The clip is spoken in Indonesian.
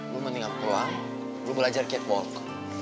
lo mendingan keluar lo belajar cakewalk